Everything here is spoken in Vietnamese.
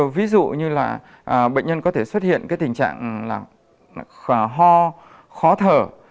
ví dụ như là bệnh nhân có thể xuất hiện tình trạng ho khó thở